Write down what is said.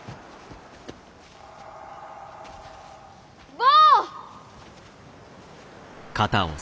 坊！